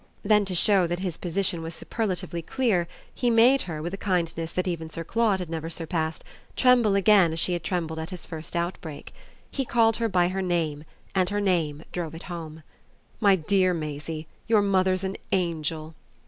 Then to show that his position was superlatively clear he made her, with a kindness that even Sir Claude had never surpassed, tremble again as she had trembled at his first outbreak. He called her by her name, and her name drove it home. "My dear Maisie, your mother's an angel!"